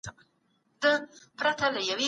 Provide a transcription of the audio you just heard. علمي مرحله څه معنا لري؟